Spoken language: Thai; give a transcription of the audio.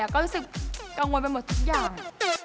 ก็รู้สึกกังวลไปหมดทุกอย่าง